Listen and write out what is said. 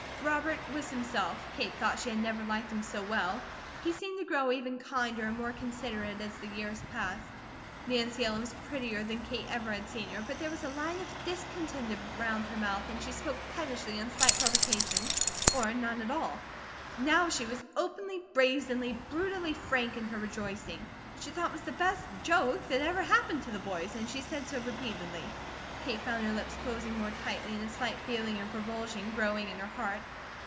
Robert was himself. Kate thought she had never liked him so well. He seemed to grow even kinder and more considerate as the years passed. Nancy Ellen was prettier than Kate ever had seen her, but there was a line of discontent around her mouth, and she spoke pettishly on slight provocation, or none at all. Now she was openly, brazenly, brutally, frank in her rejoicing. She thought it was the best "JOKE" that ever happened to the boys; and she said so repeatedly. Kate found her lips closing more tightly and a slight feeling of revulsion growing in her heart.